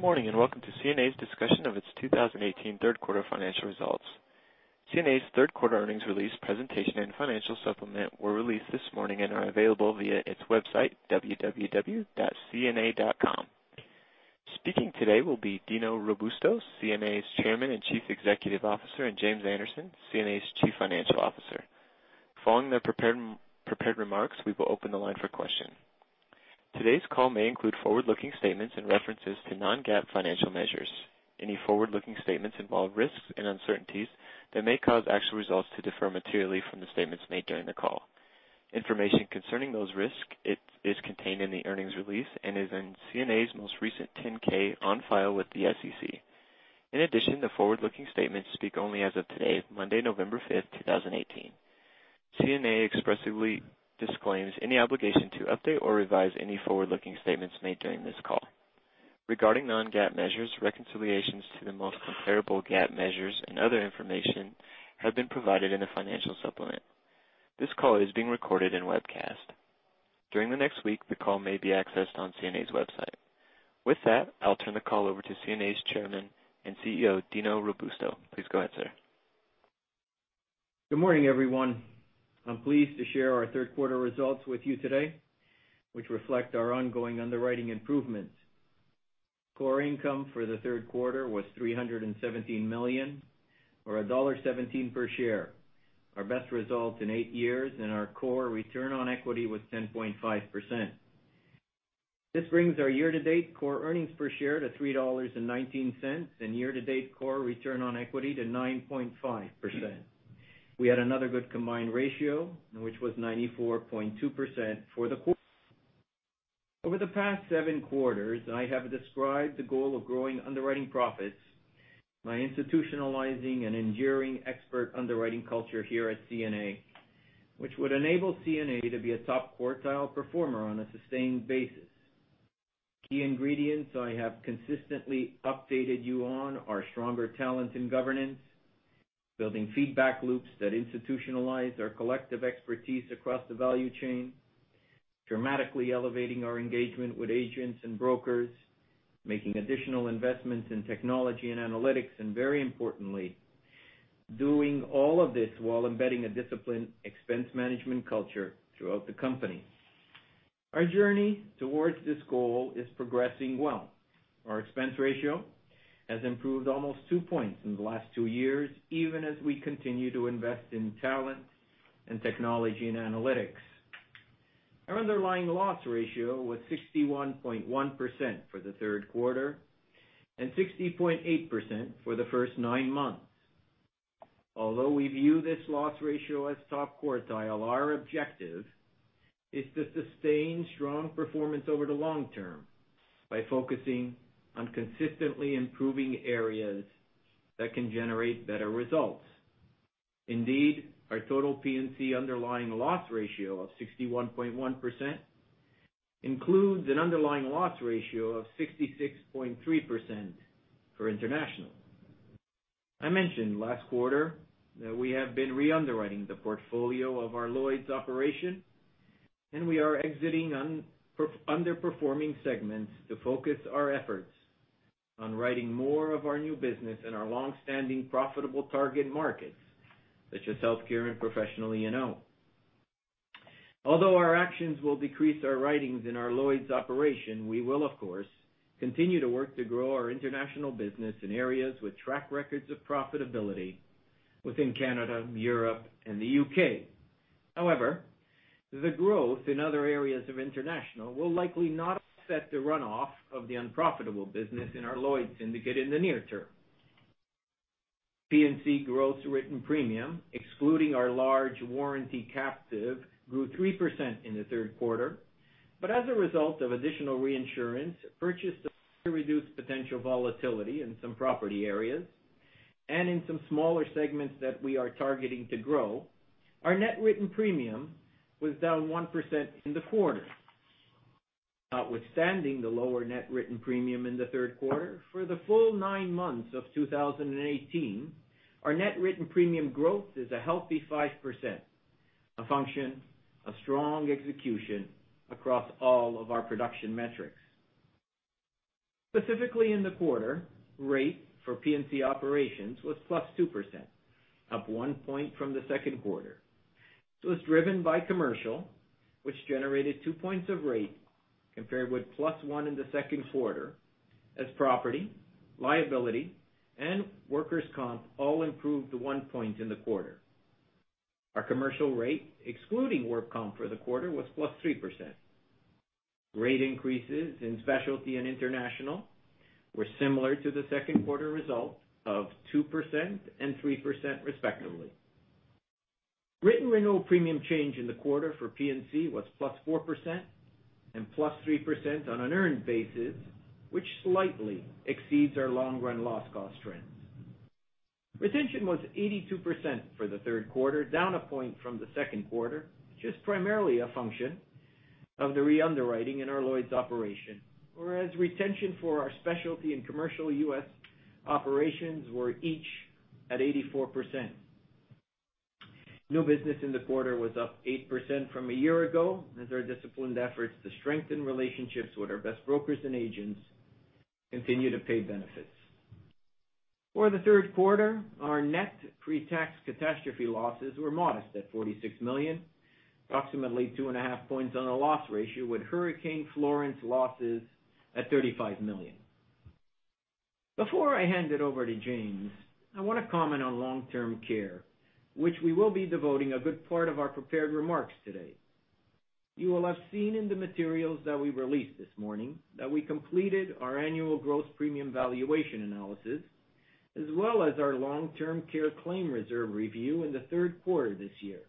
Good morning, welcome to CNA's discussion of its 2018 third quarter financial results. CNA's third quarter earnings release presentation and financial supplement were released this morning and are available via its website, www.cna.com. Speaking today will be Dino Robusto, CNA's Chairman and Chief Executive Officer, and James Anderson, CNA's Chief Financial Officer. Following their prepared remarks, we will open the line for questions. Today's call may include forward-looking statements and references to non-GAAP financial measures. Any forward-looking statements involve risks and uncertainties that may cause actual results to differ materially from the statements made during the call. Information concerning those risks is contained in the earnings release and is in CNA's most recent 10-K on file with the SEC. In addition, the forward-looking statements speak only as of today, Monday, November 5, 2018. CNA expressly disclaims any obligation to update or revise any forward-looking statements made during this call. Regarding non-GAAP measures, reconciliations to the most comparable GAAP measures and other information have been provided in the financial supplement. This call is being recorded and webcast. During the next week, the call may be accessed on CNA's website. With that, I'll turn the call over to CNA's Chairman and CEO, Dino Robusto. Please go ahead, sir. Good morning, everyone. I'm pleased to share our third quarter results with you today, which reflect our ongoing underwriting improvements. Core income for the third quarter was $317 million, or $1.17 per share, our best result in eight years, and our core return on equity was 10.5%. This brings our year-to-date core earnings per share to $3.19 and year-to-date core return on equity to 9.5%. We had another good combined ratio, which was 94.2% for the quarter. Over the past seven quarters, I have described the goal of growing underwriting profits by institutionalizing an enduring expert underwriting culture here at CNA, which would enable CNA to be a top quartile performer on a sustained basis. Key ingredients I have consistently updated you on are stronger talent and governance, building feedback loops that institutionalize our collective expertise across the value chain, dramatically elevating our engagement with agents and brokers, making additional investments in technology and analytics, and very importantly, doing all of this while embedding a disciplined expense management culture throughout the company. Our journey towards this goal is progressing well. Our expense ratio has improved almost two points in the last two years, even as we continue to invest in talent and technology and analytics. Our underlying loss ratio was 61.1% for the third quarter and 60.8% for the first nine months. Although we view this loss ratio as top quartile, our objective is to sustain strong performance over the long term by focusing on consistently improving areas that can generate better results. Indeed, our total P&C underlying loss ratio of 61.1% includes an underlying loss ratio of 66.3% for International. I mentioned last quarter that we have been re-underwriting the portfolio of our Lloyd's operation, and we are exiting underperforming segments to focus our efforts on writing more of our new business in our long-standing profitable target markets, such as healthcare and professional E&O. Although our actions will decrease our writings in our Lloyd's operation, we will of course, continue to work to grow our International business in areas with track records of profitability within Canada, Europe, and the U.K. The growth in other areas of International will likely not offset the runoff of the unprofitable business in our Lloyd's syndicate in the near term. P&C gross written premium, excluding our large warranty captive, grew 3% in the third quarter. As a result of additional reinsurance purchased to reduce potential volatility in some property areas and in some smaller segments that we are targeting to grow, our net written premium was down 1% in the quarter. Notwithstanding the lower net written premium in the third quarter, for the full nine months of 2018, our net written premium growth is a healthy 5%, a function of strong execution across all of our production metrics. Specifically in the quarter, rate for P&C operations was +2%, up one point from the second quarter. This was driven by Commercial, which generated two points of rate compared with +1 in the second quarter as property, liability, and workers' comp all improved to one point in the quarter. Our Commercial rate, excluding work comp for the quarter, was +3%. Rate increases in Specialty and International were similar to the second quarter result of 2% and 3% respectively. Written renewal premium change in the quarter for P&C was +4% and +3% on an earned basis, which slightly exceeds our long-run loss cost trends. Retention was 82% for the third quarter, down 1 point from the second quarter, just primarily a function of the re-underwriting in our Lloyd's operation. Retention for our Specialty and Commercial U.S. operations were each at 84%. New business in the quarter was up 8% from a year ago as our disciplined efforts to strengthen relationships with our best brokers and agents continue to pay benefits. For the third quarter, our net pre-tax catastrophe losses were modest at $46 million, approximately 2.5 points on a loss ratio with Hurricane Florence losses at $35 million. Before I hand it over to James, I want to comment on long-term care, which we will be devoting a good part of our prepared remarks today. You will have seen in the materials that we released this morning that we completed our annual gross premium valuation analysis, as well as our long-term care claim reserve review in the third quarter this year.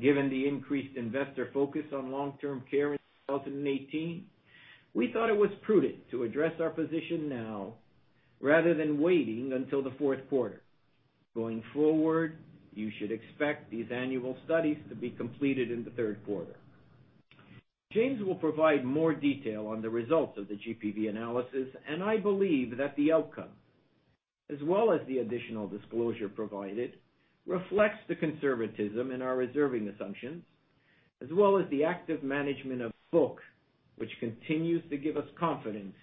Given the increased investor focus on long-term care in 2018, we thought it was prudent to address our position now rather than waiting until the fourth quarter. Going forward, you should expect these annual studies to be completed in the third quarter. James will provide more detail on the results of the GPV analysis, I believe that the outcome, as well as the additional disclosure provided, reflects the conservatism in our reserving assumptions, as well as the active management of book, which continues to give us confidence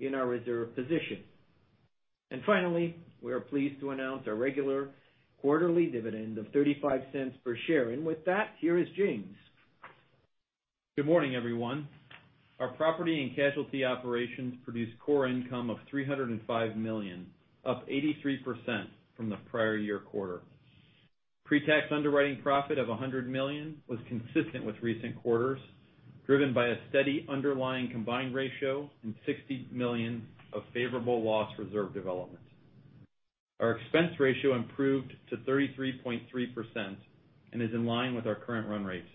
in our reserve position. Finally, we are pleased to announce our regular quarterly dividend of $0.35 per share. With that, here is James. Good morning, everyone. Our property and casualty operations produced core income of $305 million, up 83% from the prior year quarter. Pre-tax underwriting profit of $100 million was consistent with recent quarters, driven by a steady underlying combined ratio and $60 million of favorable loss reserve development. Our expense ratio improved to 33.3% and is in line with our current run rates.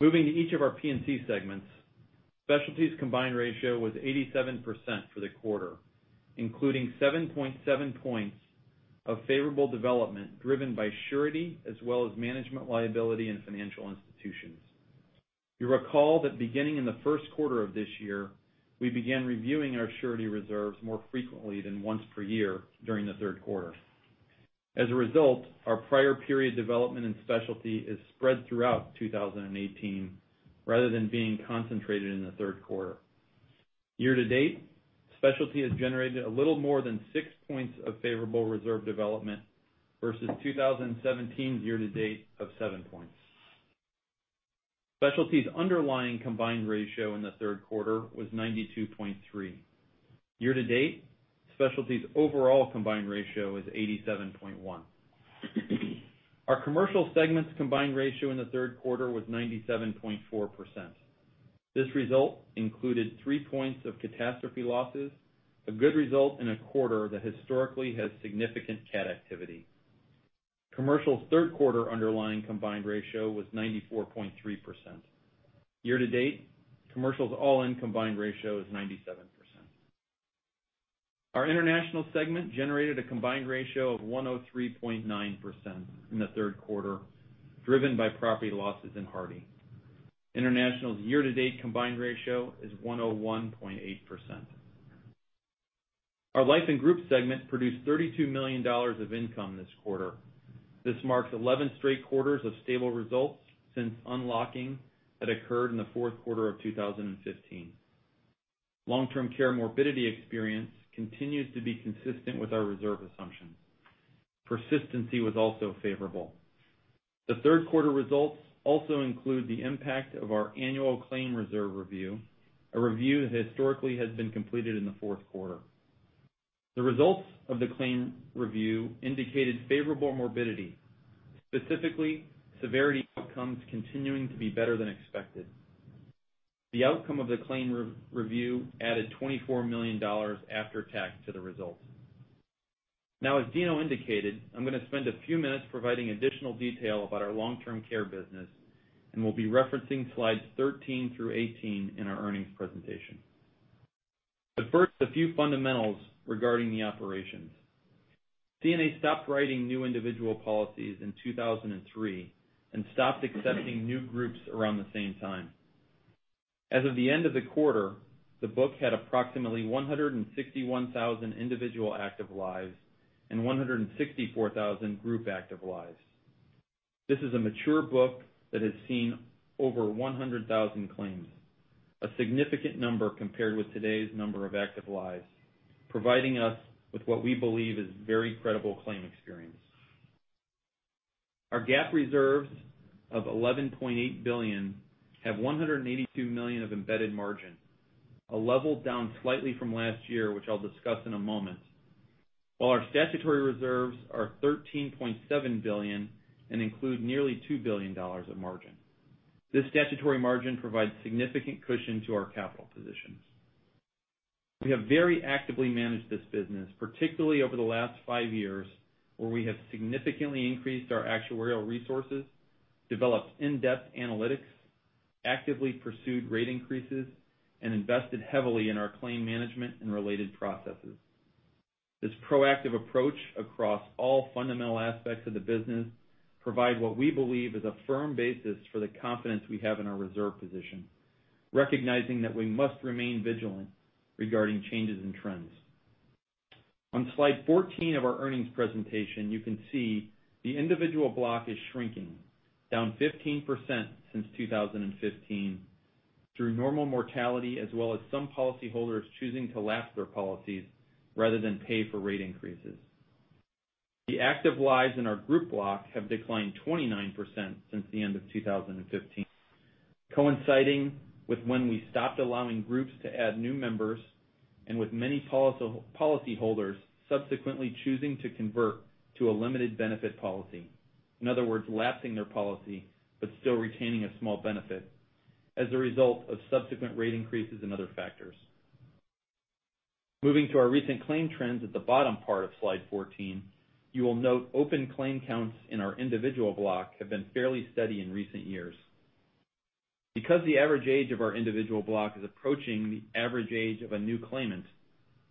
Moving to each of our P&C segments, Specialty's combined ratio was 87% for the quarter, including 7.7 points of favorable development, driven by Surety as well as Management Liability and Financial Institutions. You'll recall that beginning in the first quarter of this year, we began reviewing our Surety reserves more frequently than once per year during the third quarter. As a result, our prior period development in Specialty is spread throughout 2018 rather than being concentrated in the third quarter. Year-to-date, Specialty has generated a little more than six points of favorable reserve development versus 2017's year-to-date of seven points. Specialty's underlying combined ratio in the third quarter was 92.3. Year-to-date, Specialty's overall combined ratio is 87.1. Our Commercial segment's combined ratio in the third quarter was 97.4%. This result included three points of catastrophe losses, a good result in a quarter that historically has significant cat activity. Commercial's third quarter underlying combined ratio was 94.3%. Year-to-date, Commercial's all-in combined ratio is 97%. Our International segment generated a combined ratio of 103.9% in the third quarter, driven by property losses in Hardy. International's year-to-date combined ratio is 101.8%. Our Life & Group segment produced $32 million of income this quarter. This marks 11 straight quarters of stable results since unlocking that occurred in the fourth quarter of 2015. Long-term care morbidity experience continues to be consistent with our reserve assumptions. Persistency was also favorable. The third quarter results also include the impact of our annual claim reserve review, a review that historically has been completed in the fourth quarter. The results of the claim review indicated favorable morbidity, specifically severity outcomes continuing to be better than expected. The outcome of the claim review added $24 million after tax to the results. As Dino indicated, I'm going to spend a few minutes providing additional detail about our long-term care business, we'll be referencing slides 13 through 18 in our earnings presentation. First, a few fundamentals regarding the operations. CNA stopped writing new individual policies in 2003 and stopped accepting new groups around the same time. As of the end of the quarter, the book had approximately 161,000 individual active lives and 164,000 group active lives. This is a mature book that has seen over 100,000 claims, a significant number compared with today's number of active lives, providing us with what we believe is very credible claim experience. Our GAAP reserves of $11.8 billion have $182 million of embedded margin, a level down slightly from last year, which I'll discuss in a moment. Our statutory reserves are $13.7 billion and include nearly $2 billion of margin. This statutory margin provides significant cushion to our capital positions. We have very actively managed this business, particularly over the last five years, where we have significantly increased our actuarial resources, developed in-depth analytics, actively pursued rate increases, and invested heavily in our claim management and related processes. This proactive approach across all fundamental aspects of the business provide what we believe is a firm basis for the confidence we have in our reserve position, recognizing that we must remain vigilant regarding changes in trends. On slide 14 of our earnings presentation, you can see the individual block is shrinking, down 15% since 2015 through normal mortality, as well as some policy holders choosing to lapse their policies rather than pay for rate increases. The active lives in our group block have declined 29% since the end of 2015, coinciding with when we stopped allowing groups to add new members and with many policy holders subsequently choosing to convert to a limited benefit policy. In other words, lapsing their policy but still retaining a small benefit as a result of subsequent rate increases and other factors. Moving to our recent claim trends at the bottom part of slide 14, you will note open claim counts in our individual block have been fairly steady in recent years. Because the average age of our individual block is approaching the average age of a new claimant,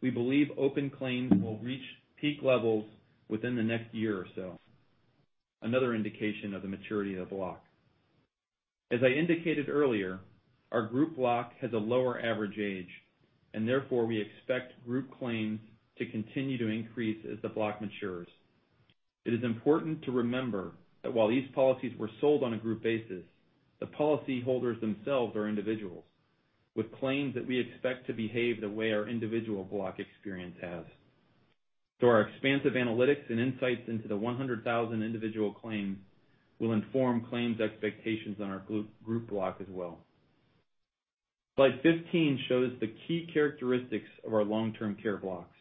we believe open claims will reach peak levels within the next year or so, another indication of the maturity of the block. As I indicated earlier, our group block has a lower average age, and therefore we expect group claims to continue to increase as the block matures. It is important to remember that while these policies were sold on a group basis, the policy holders themselves are individuals with claims that we expect to behave the way our individual block experience has. Our expansive analytics and insights into the 100,000 individual claims will inform claims expectations on our group block as well. Slide 15 shows the key characteristics of our long-term care blocks.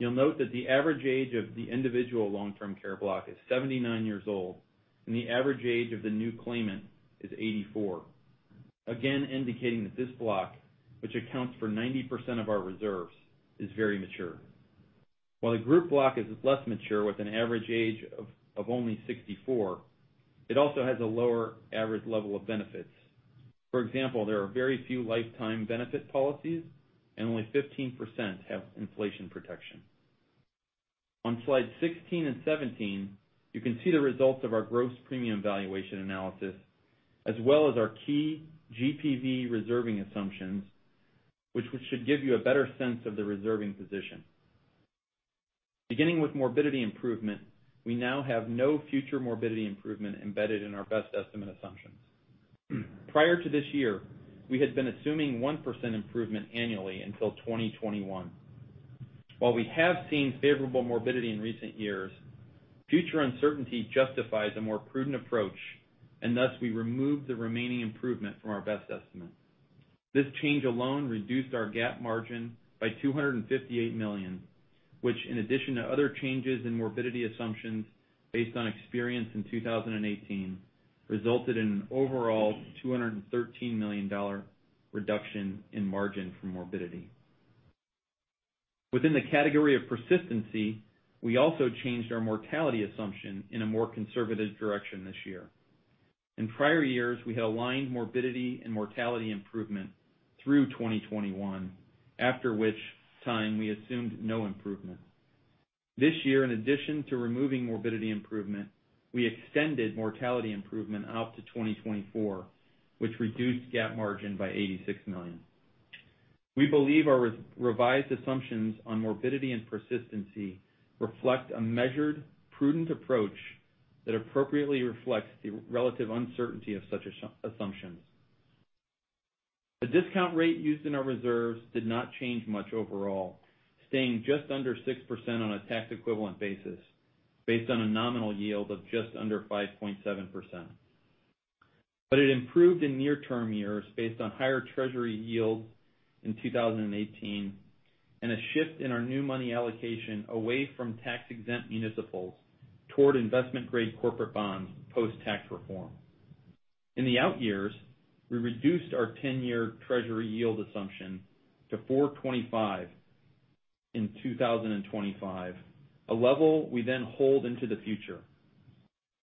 You'll note that the average age of the individual long-term care block is 79 years old, and the average age of the new claimant is 84. Again indicating that this block, which accounts for 90% of our reserves, is very mature. While the group block is less mature with an average age of only 64, it also has a lower average level of benefits. For example, there are very few lifetime benefit policies and only 15% have inflation protection. On slide 16 and 17, you can see the results of our gross premium valuation analysis, as well as our key GPV reserving assumptions, which should give you a better sense of the reserving position. Beginning with morbidity improvement, we now have no future morbidity improvement embedded in our best estimate assumptions. Prior to this year, we had been assuming 1% improvement annually until 2021. Thus we removed the remaining improvement from our best estimate. This change alone reduced our GAAP margin by $258 million, which in addition to other changes in morbidity assumptions based on experience in 2018, resulted in an overall $213 million reduction in margin from morbidity. Within the category of persistency, we also changed our mortality assumption in a more conservative direction this year. In prior years, we had aligned morbidity and mortality improvement through 2021, after which time we assumed no improvement. This year, in addition to removing morbidity improvement, we extended mortality improvement out to 2024, which reduced GAAP margin by $86 million. We believe our revised assumptions on morbidity and persistency reflect a measured, prudent approach that appropriately reflects the relative uncertainty of such assumptions. The discount rate used in our reserves did not change much overall, staying just under 6% on a tax-equivalent basis based on a nominal yield of just under 5.7%. It improved in near-term years based on higher Treasury yields in 2018 and a shift in our new money allocation away from tax-exempt municipals toward investment-grade corporate bonds post-tax reform. In the out years, we reduced our 10-year Treasury yield assumption to 425 in 2025, a level we hold into the future.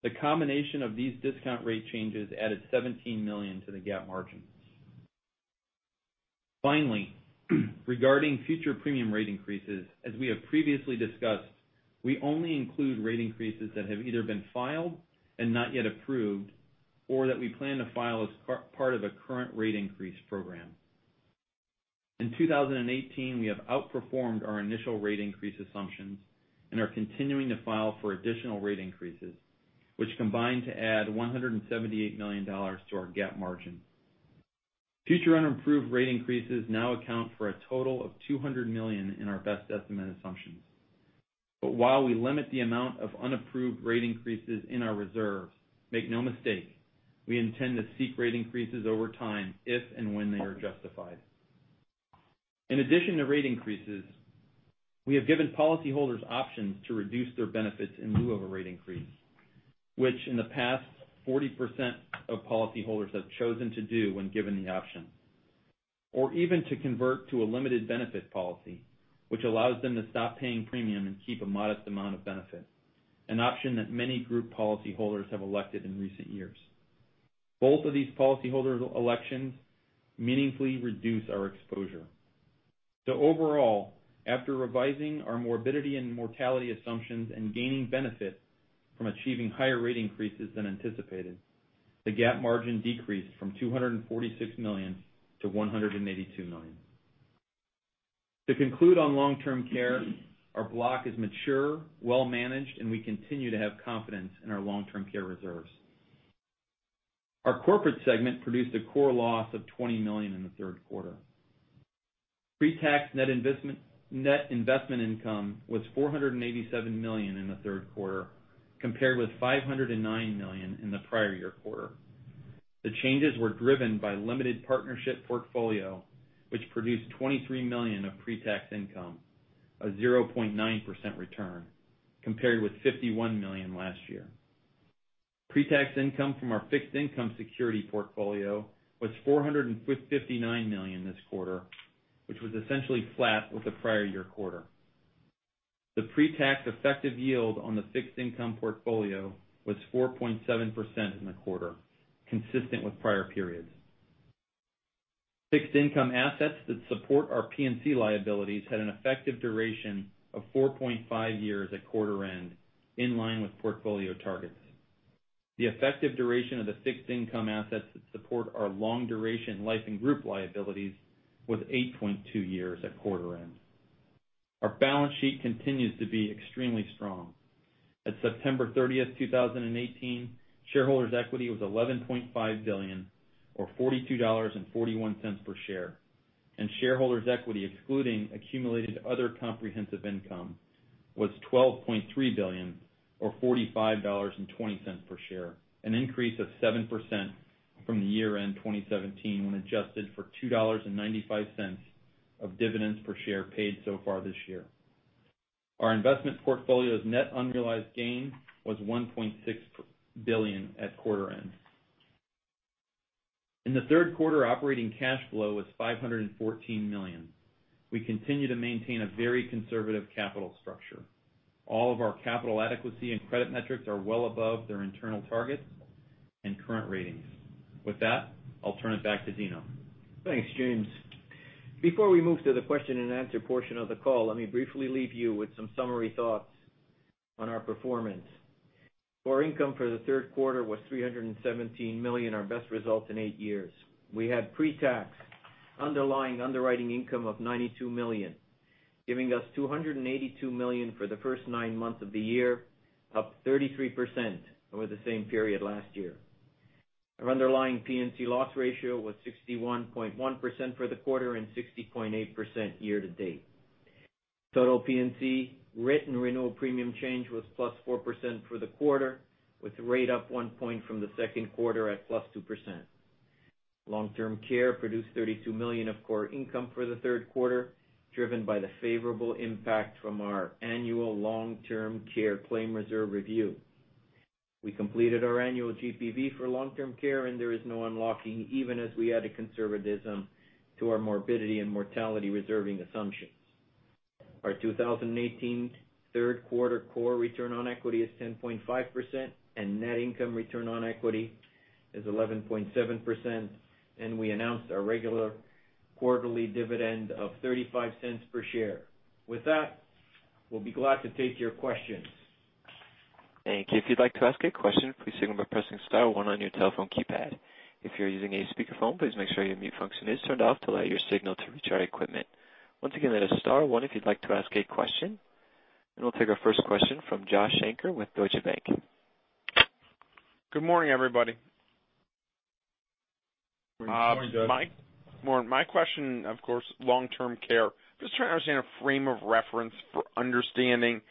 The combination of these discount rate changes added $17 million to the GAAP margin. Finally, regarding future premium rate increases, as we have previously discussed, we only include rate increases that have either been filed and not yet approved or that we plan to file as part of a current rate increase program. In 2018, we have outperformed our initial rate increase assumptions and are continuing to file for additional rate increases, which combine to add $178 million to our GAAP margin. Future unapproved rate increases now account for a total of $200 million in our best estimate assumptions. While we limit the amount of unapproved rate increases in our reserves, make no mistake, we intend to seek rate increases over time if and when they are justified. In addition to rate increases, we have given policyholders options to reduce their benefits in lieu of a rate increase, which in the past, 40% of policyholders have chosen to do when given the option, or even to convert to a limited benefit policy, which allows them to stop paying premium and keep a modest amount of benefit, an option that many group policyholders have elected in recent years. Both of these policyholder elections meaningfully reduce our exposure. Overall, after revising our morbidity and mortality assumptions and gaining benefit from achieving higher rate increases than anticipated, the GAAP margin decreased from $246 million to $182 million. To conclude on long-term care, our block is mature, well-managed, and we continue to have confidence in our long-term care reserves. Our corporate segment produced a core loss of $20 million in the third quarter. Pre-tax net investment income was $487 million in the third quarter, compared with $509 million in the prior year quarter. The changes were driven by limited partnership portfolio, which produced $23 million of pre-tax income, a 0.9% return, compared with $51 million last year. Pre-tax income from our fixed income security portfolio was $459 million this quarter, which was essentially flat with the prior year quarter. The pre-tax effective yield on the fixed income portfolio was 4.7% in the quarter, consistent with prior periods. Fixed income assets that support our P&C liabilities had an effective duration of 4.5 years at quarter end, in line with portfolio targets. The effective duration of the fixed income assets that support our long duration Life & Group liabilities was 8.2 years at quarter end. Our balance sheet continues to be extremely strong. At September 30th, 2018, shareholders' equity was $11.5 billion or $42.41 per share, and shareholders' equity, excluding accumulated other comprehensive income, was $12.3 billion or $45.20 per share, an increase of 7% from the year-end 2017 when adjusted for $2.95 of dividends per share paid so far this year. Our investment portfolio's net unrealized gain was $1.6 billion at quarter end. In the third quarter, operating cash flow was $514 million. We continue to maintain a very conservative capital structure. All of our capital adequacy and credit metrics are well above their internal targets and current ratings. With that, I'll turn it back to Dino. Thanks, James. Before we move to the question and answer portion of the call, let me briefly leave you with some summary thoughts on our performance. Core income for the third quarter was $317 million, our best result in eight years. We had pre-tax underlying underwriting income of $92 million, giving us $282 million for the first nine months of the year, up 33% over the same period last year. Our underlying P&C loss ratio was 61.1% for the quarter and 60.8% year to date. Total P&C written renewal premium change was +4% for the quarter, with rate up one point from the second quarter at +2%. Long-term care produced $32 million of core income for the third quarter, driven by the favorable impact from our annual long-term care claim reserve review. We completed our annual GPV for long-term care, and there is no unlocking, even as we add a conservatism to our morbidity and mortality reserving assumptions. Our 2018 third quarter core return on equity is 10.5% and net income return on equity is 11.7%, and we announced our regular quarterly dividend of $0.35 per share. With that, we'll be glad to take your questions. Thank you. If you'd like to ask a question, please signal by pressing * one on your telephone keypad. If you're using a speakerphone, please make sure your mute function is turned off to allow your signal to reach our equipment. Once again, that is * one if you'd like to ask a question. We'll take our first question from Josh Shanker with Deutsche Bank. Good morning, everybody. Good morning, Josh. My question, of course, long-term care. Just trying to understand a frame of reference for understanding,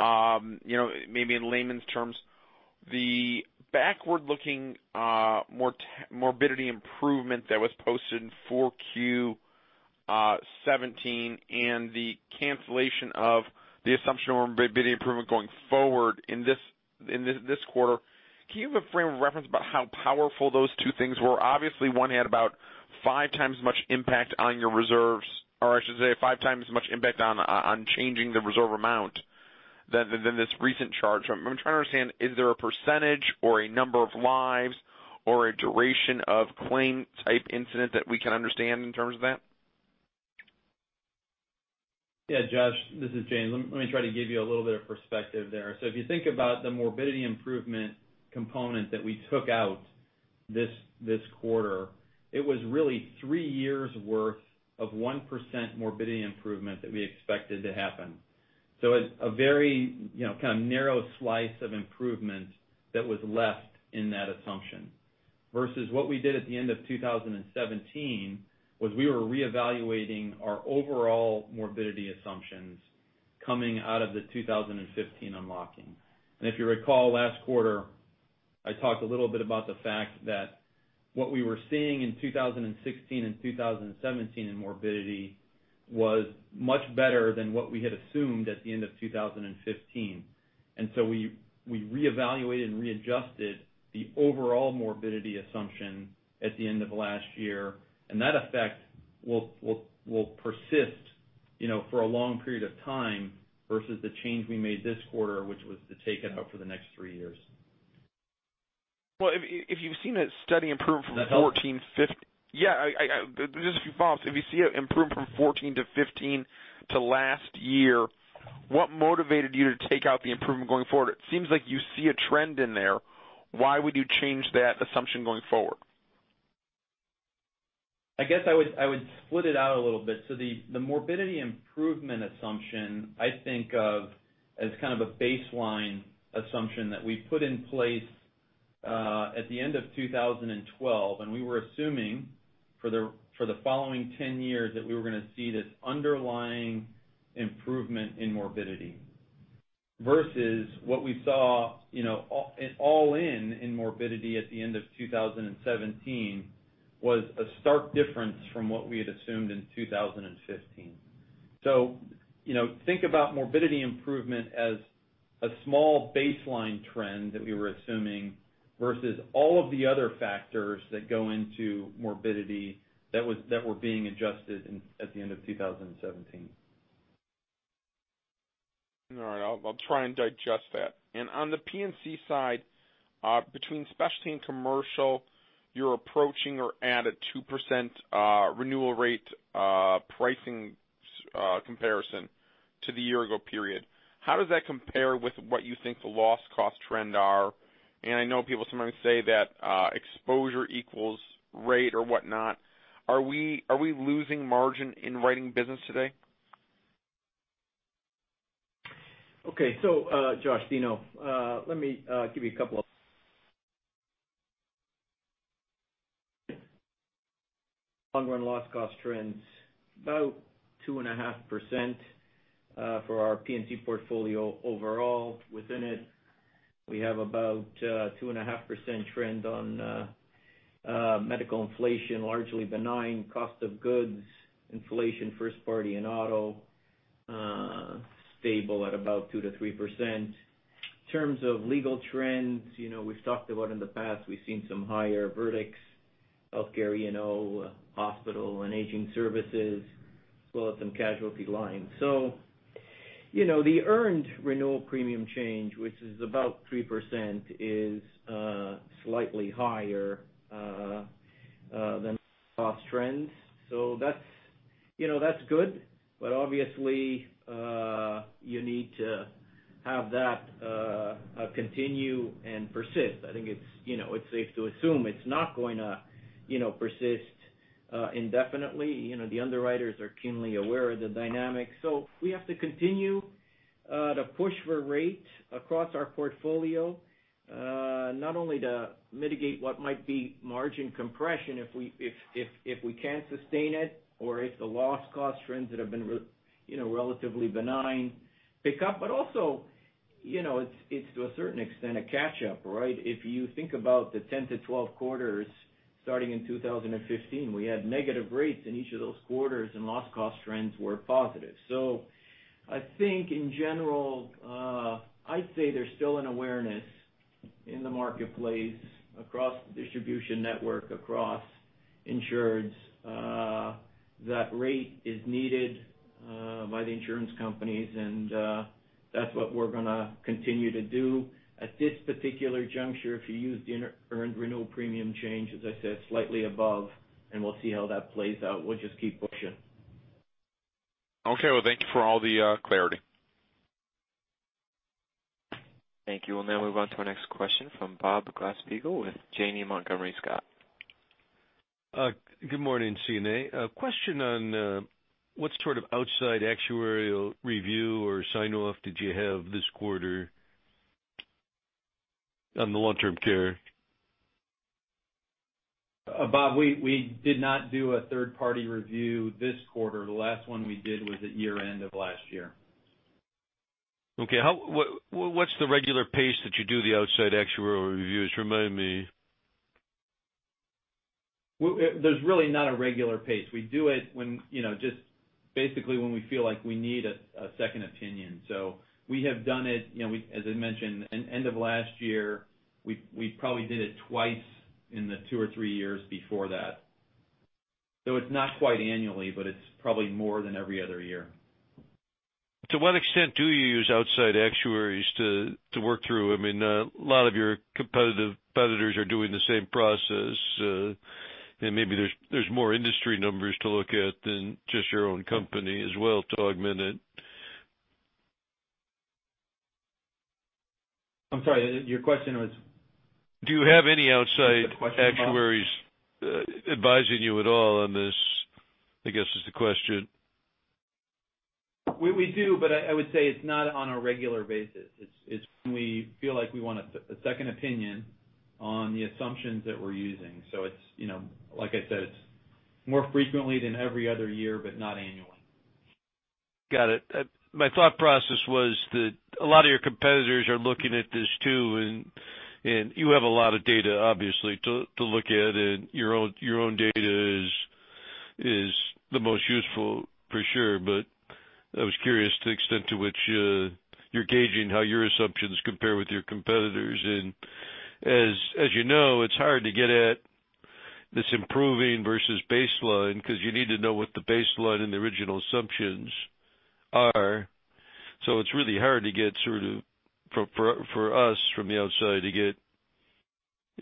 maybe in layman's terms, the backward-looking morbidity improvement that was posted in 4Q 2017 and the cancellation of the assumption of morbidity improvement going forward in this quarter. Can you give a frame of reference about how powerful those two things were? Obviously, one had about five times as much impact on your reserves, or I should say, five times as much impact on changing the reserve amount than this recent charge. I'm trying to understand, is there a percentage or a number of lives or a duration of claim type incident that we can understand in terms of that? Josh, this is James. Let me try to give you a little bit of perspective there. If you think about the morbidity improvement component that we took out this quarter, it was really three years' worth of 1% morbidity improvement that we expected to happen. A very kind of narrow slice of improvement that was left in that assumption. Versus what we did at the end of 2017, was we were reevaluating our overall morbidity assumptions coming out of the 2015 unlocking. If you recall, last quarter, I talked a little bit about the fact that what we were seeing in 2016 and 2017 in morbidity was much better than what we had assumed at the end of 2015. We reevaluated and readjusted the overall morbidity assumption at the end of last year, and that effect will persist for a long period of time versus the change we made this quarter, which was to take it out for the next three years. Well, if you've seen that study improve from. Does that help? Yeah. Just to follow up, if you see it improve from 2014 to 2015 to last year. What motivated you to take out the improvement going forward? It seems like you see a trend in there. Why would you change that assumption going forward? I guess I would split it out a little bit. The morbidity improvement assumption, I think of as kind of a baseline assumption that we put in place at the end of 2012, and we were assuming for the following 10 years that we were going to see this underlying improvement in morbidity. Versus what we saw, all in morbidity at the end of 2017, was a stark difference from what we had assumed in 2015. Think about morbidity improvement as a small baseline trend that we were assuming, versus all of the other factors that go into morbidity that were being adjusted at the end of 2017. All right. I'll try and digest that. On the P&C side, between Specialty and Commercial, you're approaching or at a 2% renewal rate, pricing comparison to the year-ago period. How does that compare with what you think the loss cost trend are? I know people sometimes say that exposure equals rate or whatnot. Are we losing margin in writing business today? Okay. Josh Dino, let me give you a couple of long run loss cost trends. About 2.5% for our P&C portfolio overall. Within it, we have about 2.5% trend on medical inflation, largely benign cost of goods, inflation, first party and auto, stable at about 2%-3%. In terms of legal trends, we've talked about in the past, we've seen some higher verdicts, health care, you know, hospital and aging services, as well as some casualty lines. The earned renewal premium change, which is about 3%, is slightly higher than loss trends. That's good, but obviously, you need to have that continue and persist. I think it's safe to assume it's not going to persist indefinitely. The underwriters are keenly aware of the dynamics. We have to continue, to push for rate across our portfolio, not only to mitigate what might be margin compression if we can't sustain it or if the loss cost trends that have been relatively benign pick up, but also, it's to a certain extent, a catch up, right? If you think about the 10 to 12 quarters starting in 2015, we had negative rates in each of those quarters and loss cost trends were positive. I think in general, I'd say there's still an awareness in the marketplace across the distribution network, across insureds, that rate is needed by the insurance companies, and that's what we're going to continue to do. At this particular juncture, if you use the earned renewal premium change, as I said, slightly above, and we'll see how that plays out. We'll just keep pushing. Okay. Well, thank you for all the clarity. Thank you. We'll now move on to our next question from Bob Glasspiegel with Janney Montgomery Scott. Good morning, CNA. A question on what sort of outside actuarial review or sign-off did you have this quarter on the long-term care? Bob, we did not do a third-party review this quarter. The last one we did was at year-end of last year. Okay. What's the regular pace that you do the outside actuarial reviews? Remind me. There's really not a regular pace. We do it just basically when we feel like we need a second opinion. We have done it, as I mentioned, in end of last year. We probably did it twice in the two or three years before that. It's not quite annually, but it's probably more than every other year. To what extent do you use outside actuaries to work through? I mean, a lot of your competitors are doing the same process. Maybe there's more industry numbers to look at than just your own company as well to augment it. I'm sorry, your question was? Do you have any outside- The question was about? actuaries advising you at all on this, I guess is the question. We do, but I would say it's not on a regular basis. It's when we feel like we want a second opinion on the assumptions that we're using. Like I said, it's more frequently than every other year, but not annually. Got it. My thought process was that a lot of your competitors are looking at this, too, and you have a lot of data, obviously, to look at, and your own data is the most useful for sure. I was curious the extent to which you're gauging how your assumptions compare with your competitors. As you know, it's hard to get at this improving versus baseline, because you need to know what the baseline and the original assumptions are. It's really hard for us from the outside to get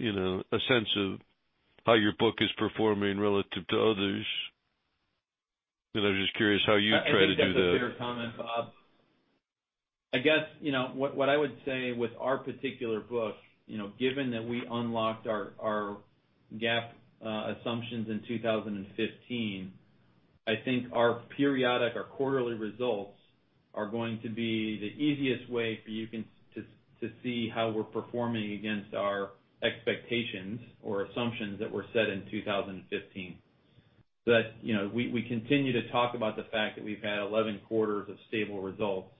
a sense of how your book is performing relative to others. I was just curious how you try to do that. I think that's a fair comment, Bob. I guess what I would say with our particular book, given that we unlocked our GAAP assumptions in 2015, I think our periodic, our quarterly results are going to be the easiest way for you to see how we're performing against our expectations or assumptions that were set in 2015. We continue to talk about the fact that we've had 11 quarters of stable results.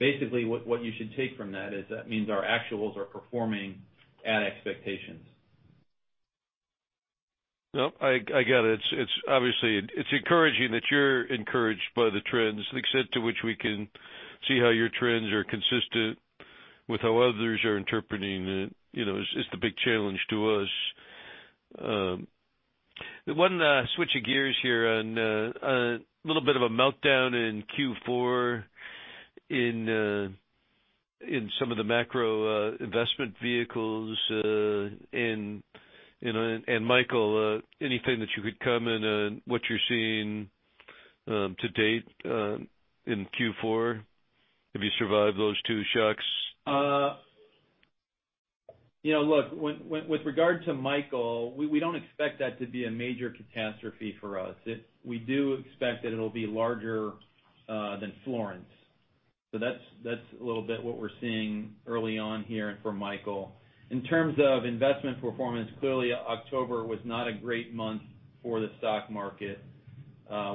Basically, what you should take from that is that means our actuals are performing at expectations. No, I get it. Obviously, it's encouraging that you're encouraged by the trends, the extent to which we can see how your trends are consistent with how others are interpreting it. It's the big challenge to us. One, switching gears here on a little bit of a meltdown in Q4 in some of the macro investment vehicles. Michael, anything that you could comment on what you're seeing to date in Q4? Have you survived those two shocks? With regard to Michael, we don't expect that to be a major catastrophe for us. We do expect that it'll be larger than Florence. That's a little bit what we're seeing early on here for Michael. In terms of investment performance, clearly October was not a great month for the stock market.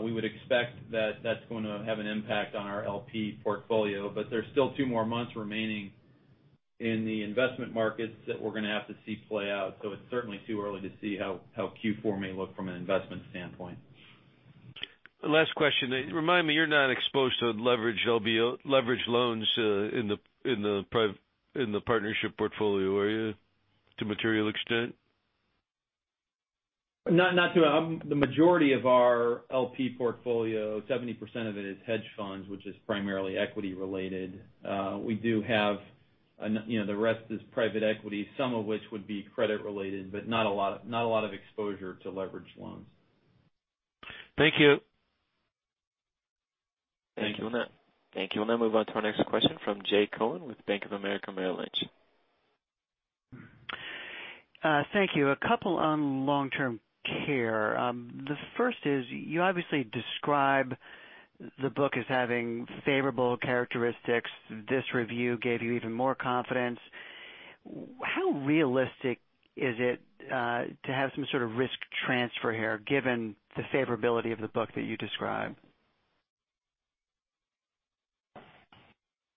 We would expect that that's going to have an impact on our LP portfolio, but there's still two more months remaining in the investment markets that we're going to have to see play out. It's certainly too early to see how Q4 may look from an investment standpoint. Last question. Remind me, you're not exposed to leveraged loans in the partnership portfolio, are you, to a material extent? Not to. The majority of our LP portfolio, 70% of it is hedge funds, which is primarily equity-related. The rest is private equity, some of which would be credit related, but not a lot of exposure to leverage loans. Thank you. Thank you. We'll now move on to our next question from Jay Cohen with Bank of America Merrill Lynch. Thank you. A couple on long-term care. The first is, you obviously describe the book as having favorable characteristics. This review gave you even more confidence. How realistic is it to have some sort of risk transfer here, given the favorability of the book that you describe?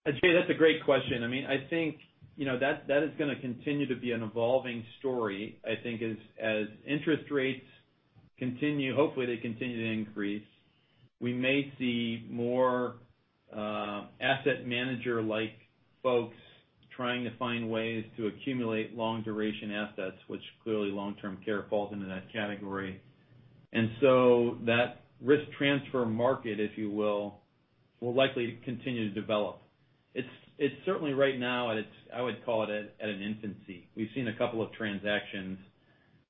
Jay, that's a great question. I think that is going to continue to be an evolving story. I think as interest rates, hopefully, they continue to increase. We may see more asset manager-like folks trying to find ways to accumulate long-duration assets, which clearly long-term care falls into that category. That risk transfer market, if you will likely continue to develop. It's certainly right now at, I would call it at an infancy. We've seen a couple of transactions,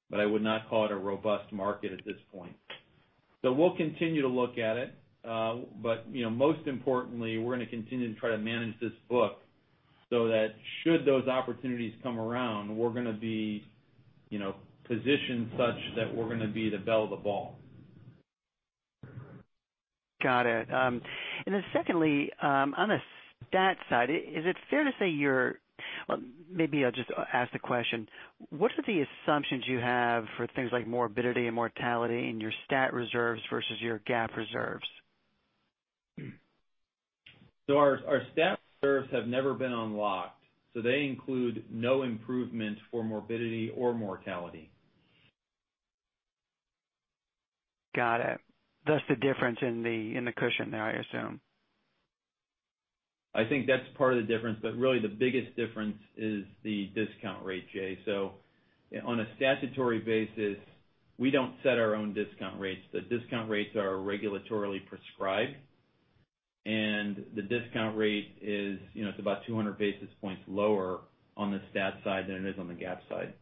but I would not call it a robust market at this point. We'll continue to look at it. Most importantly, we're going to continue to try to manage this book so that should those opportunities come around, we're going to be positioned such that we're going to be the belle of the ball. Got it. Secondly, on the stat side, is it fair to say? Maybe I'll just ask the question. What are the assumptions you have for things like morbidity and mortality in your stat reserves versus your GAAP reserves? Our stat reserves have never been unlocked, so they include no improvement for morbidity or mortality. Got it. Thus, the difference in the cushion there, I assume. I think that's part of the difference, but really the biggest difference is the discount rate, Jay. On a statutory basis, we don't set our own discount rates. The discount rates are regulatorily prescribed, and the discount rate is about 200 basis points lower on the stat side than it is on the GAAP side,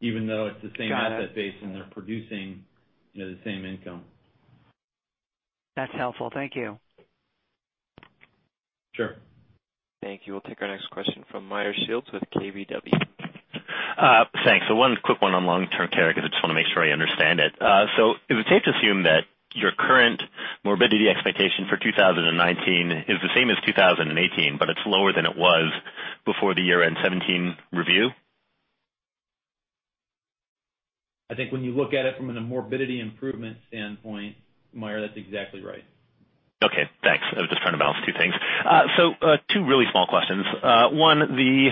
even though it's the same asset base. Got it. They're producing the same income. That's helpful. Thank you. Sure. Thank you. We'll take our next question from Meyer Shields with KBW. Thanks. One quick one on long-term care, because I just want to make sure I understand it. Is it safe to assume that your current morbidity expectation for 2019 is the same as 2018, but it's lower than it was before the year-end 2017 review? I think when you look at it from a morbidity improvement standpoint, Meyer, that's exactly right. Okay, thanks. I was just trying to balance two things. Two really small questions. One, the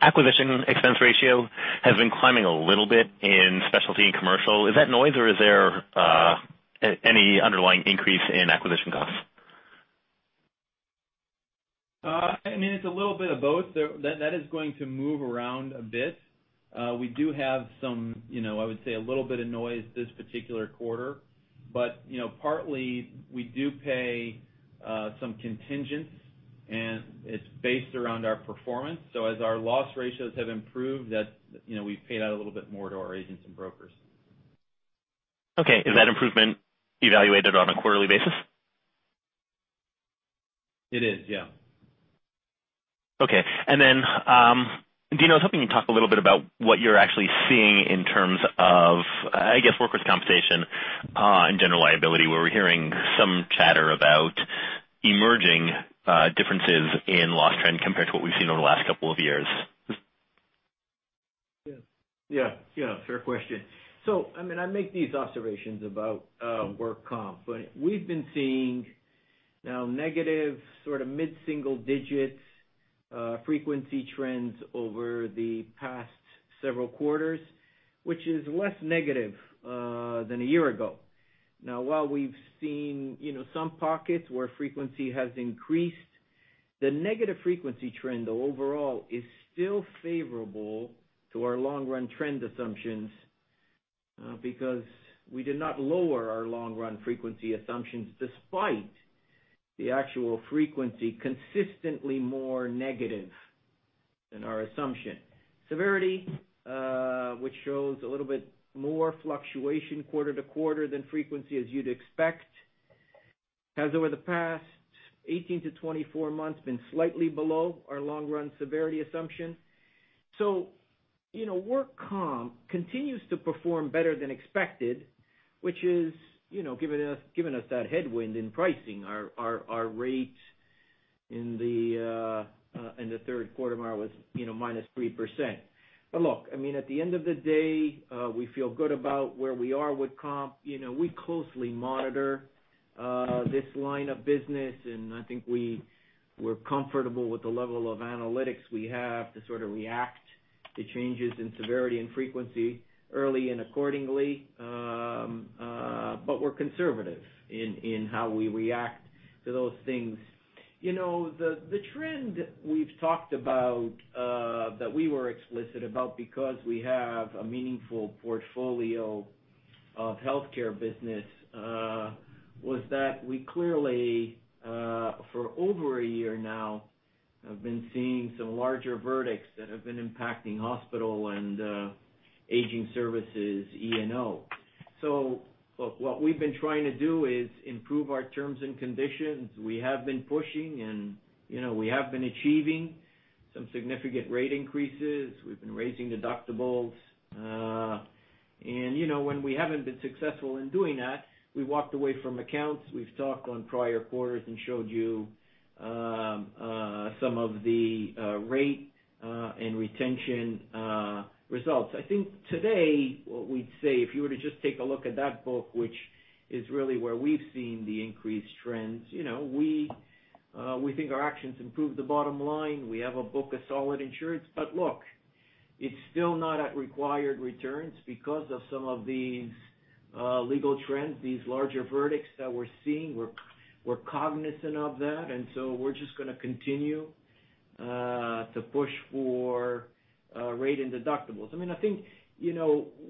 acquisition expense ratio has been climbing a little bit in Specialty and Commercial. Is that noise or is there any underlying increase in acquisition costs? It's a little bit of both. That is going to move around a bit. We do have some, I would say a little bit of noise this particular quarter. Partly, we do pay some contingents It's based around our performance. As our loss ratios have improved, we've paid out a little bit more to our agents and brokers. Okay. Is that improvement evaluated on a quarterly basis? It is, yeah. Okay. Dino, I was hoping you'd talk a little bit about what you're actually seeing in terms of, I guess, workers' compensation and general liability, where we're hearing some chatter about emerging differences in loss trend compared to what we've seen over the last couple of years. Yeah. Fair question. I make these observations about work comp, but we've been seeing now negative sort of mid-single digits frequency trends over the past several quarters, which is less negative than a year ago. While we've seen some pockets where frequency has increased, the negative frequency trend though overall is still favorable to our long-run trend assumptions, because we did not lower our long-run frequency assumptions despite the actual frequency consistently more negative than our assumption. Severity, which shows a little bit more fluctuation quarter to quarter than frequency as you'd expect, has over the past 18-24 months been slightly below our long-run severity assumption. Work comp continues to perform better than expected, which is giving us that headwind in pricing. Our rate in the third quarter, Meyer, was -3%. Look, at the end of the day, we feel good about where we are with comp. We closely monitor this line of business, I think we're comfortable with the level of analytics we have to sort of react to changes in severity and frequency early and accordingly. We're conservative in how we react to those things. The trend we've talked about, that we were explicit about because we have a meaningful portfolio of healthcare business, was that we clearly for over one year now have been seeing some larger verdicts that have been impacting hospital and aging services E&O. Look, what we've been trying to do is improve our terms and conditions. We have been pushing and we have been achieving some significant rate increases. We've been raising deductibles. When we haven't been successful in doing that, we walked away from accounts. We've talked on prior quarters and showed you some of the rate and retention results. I think today what we'd say, if you were to just take a look at that book, which is really where we've seen the increased trends, we think our actions improve the bottom line. We have a book of solid insurance, look, it's still not at required returns because of some of these legal trends, these larger verdicts that we're seeing. We're cognizant of that, so we're just going to continue to push for rate and deductibles. I think,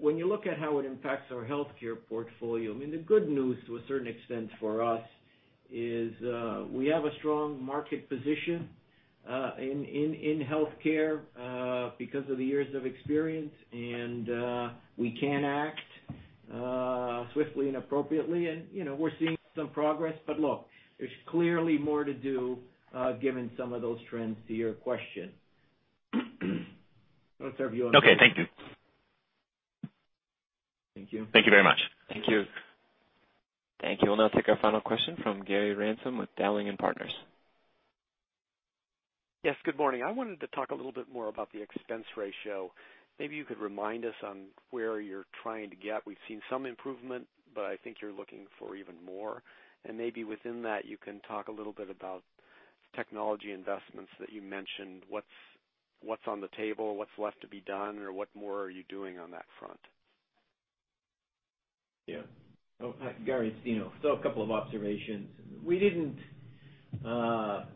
when you look at how it impacts our healthcare portfolio, the good news to a certain extent for us is we have a strong market position in healthcare because of the years of experience, we can act swiftly and appropriately and we're seeing some progress. Look, there's clearly more to do given some of those trends to your question. I'll turn it over to you. Okay. Thank you. Thank you. Thank you very much. Thank you. Thank you. We'll now take our final question from Gary Ransom with Dowling & Partners. Yes, good morning. I wanted to talk a little bit more about the expense ratio. Maybe you could remind us on where you're trying to get. Maybe within that, you can talk a little bit about technology investments that you mentioned. What's on the table? What's left to be done? What more are you doing on that front? Hi, Gary, it's Dino. A couple of observations. We didn't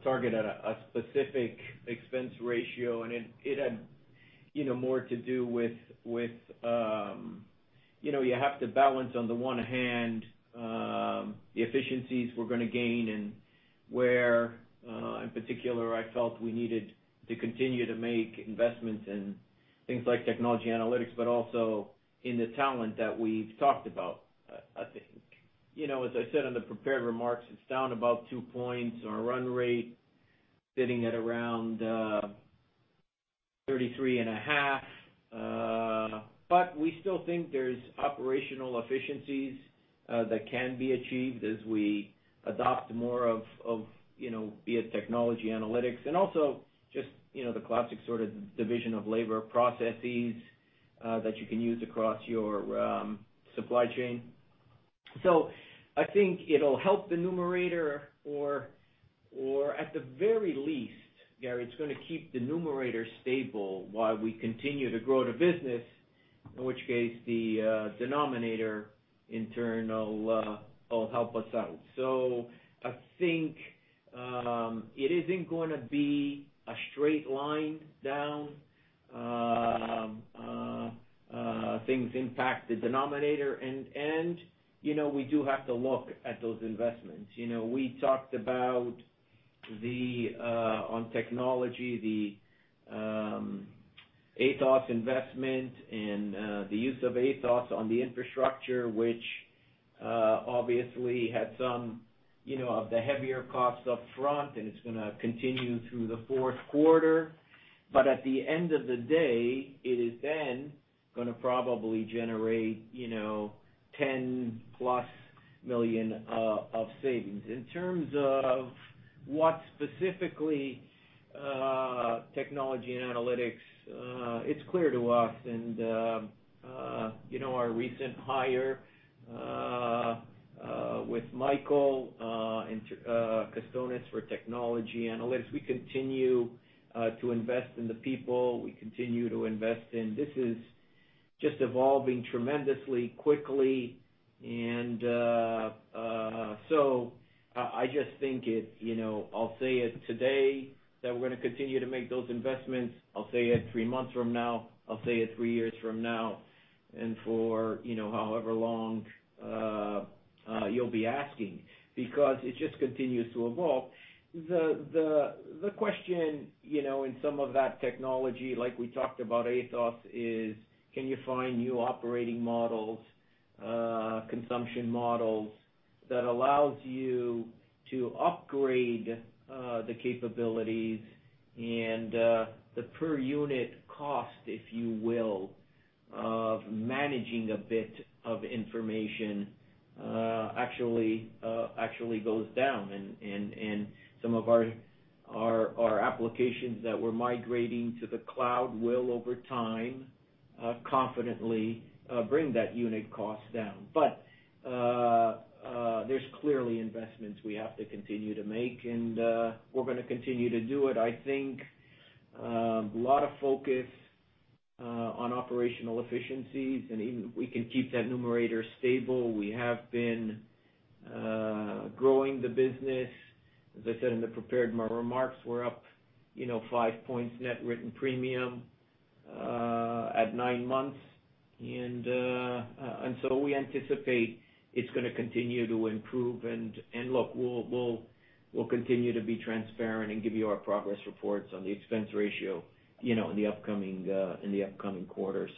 target at a specific expense ratio, and it had more to do with you have to balance on the one hand the efficiencies we're going to gain and where, in particular, I felt we needed to continue to make investments in things like technology analytics, but also in the talent that we've talked about, I think. As I said on the prepared remarks, it's down about 2 points. Our run rate sitting at around 33.5. We still think there's operational efficiencies that can be achieved as we adopt more of be it technology analytics, and also just the classic sort of division of labor processes that you can use across your supply chain. I think it'll help the numerator or at the very least, Gary, it's going to keep the numerator stable while we continue to grow the business, in which case, the denominator in turn will help us out. I think it isn't going to be a straight line down. Things impact the denominator, and we do have to look at those investments. We talked about on technology, the Atos investment and the use of Atos on the infrastructure, which obviously had some of the heavier costs up front, and it's going to continue through the fourth quarter. At the end of the day, it is then going to probably generate $10-plus million of savings. In terms of what specifically technology and analytics, it's clear to us, and our recent hire with Michael Costonis for technology analytics, we continue to invest in the people. This is just evolving tremendously quickly. I just think I'll say it today that we're going to continue to make those investments. I'll say it three months from now, I'll say it three years from now, and for however long you'll be asking, because it just continues to evolve. The question in some of that technology, like we talked about Atos, is can you find new operating models, consumption models, that allows you to upgrade the capabilities and the per unit cost, if you will, of managing a bit of information actually goes down. Some of our applications that we're migrating to the cloud will, over time, confidently bring that unit cost down. There's clearly investments we have to continue to make, and we're going to continue to do it. I think a lot of focus on operational efficiencies, and we can keep that numerator stable. We have been growing the business. As I said in the prepared remarks, we're up five points net written premium at nine months. We anticipate it's going to continue to improve. Look, we'll continue to be transparent and give you our progress reports on the expense ratio in the upcoming quarters.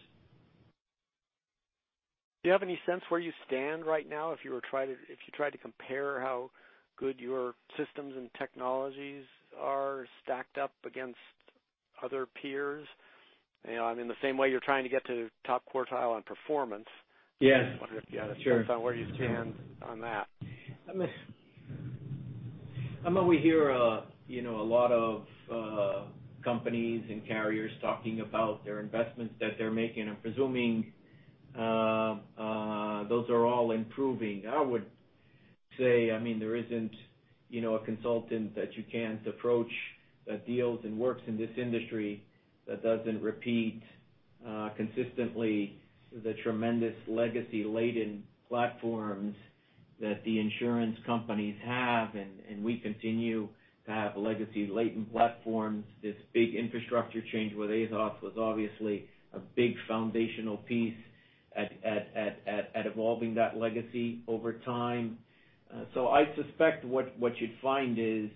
Do you have any sense where you stand right now if you tried to compare how good your systems and technologies are stacked up against other peers? In the same way you're trying to get to top quartile on performance- Yes. Sure I'm wondering if you had a sense on where you stand on that. I mean, we hear a lot of companies and carriers talking about their investments that they're making. I'm presuming those are all improving. I would say there isn't a consultant that you can't approach that deals and works in this industry that doesn't repeat consistently the tremendous legacy-laden platforms that the insurance companies have, and we continue to have legacy-laden platforms. This big infrastructure change with Athos was obviously a big foundational piece at evolving that legacy over time. I suspect what you'd find is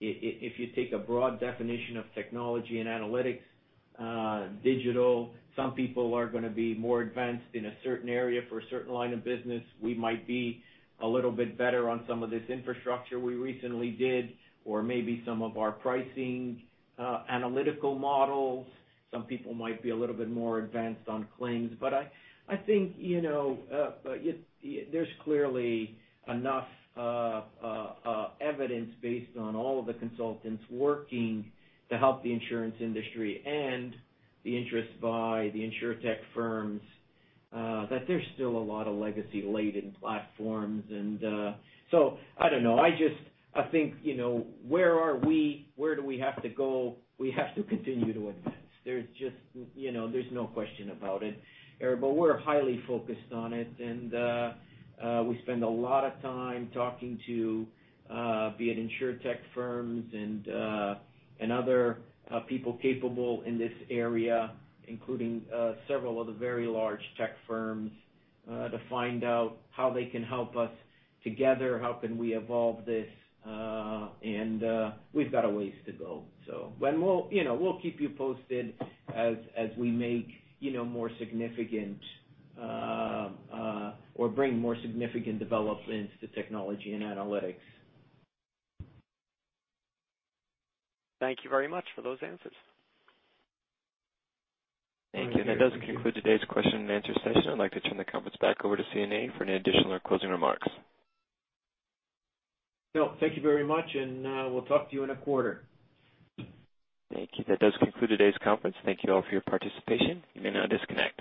if you take a broad definition of technology and analytics, digital, some people are going to be more advanced in a certain area for a certain line of business. We might be a little bit better on some of this infrastructure we recently did, or maybe some of our pricing analytical models. Some people might be a little bit more advanced on claims. I think there's clearly enough evidence based on all of the consultants working to help the insurance industry and the interest by the insurtech firms, that there's still a lot of legacy-laden platforms. I don't know. I think, where are we? Where do we have to go? We have to continue to advance. There's no question about it. We're highly focused on it, and we spend a lot of time talking to, be it insurtech firms and other people capable in this area, including several of the very large tech firms, to find out how they can help us together, how can we evolve this, and we've got a ways to go. We'll keep you posted as we make more significant or bring more significant developments to technology and analytics. Thank you very much for those answers. Thank you. That does conclude today's question and answer session. I'd like to turn the conference back over to CNA for any additional or closing remarks. No, thank you very much, and we'll talk to you in a quarter. Thank you. That does conclude today's conference. Thank you all for your participation. You may now disconnect.